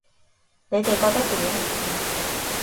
你哋覺得點